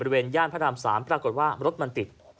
ย่านพระราม๓ปรากฏว่ารถมันติด